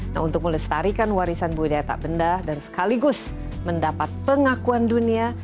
nah untuk melestarikan warisan budaya tak benda dan sekaligus mendapat pengakuan dunia